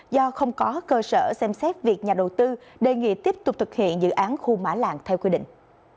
do không có cơ sở xem xét việc nhà đầu tư đề nghị tiếp tục thực hiện dự án khu mã lạng theo quy định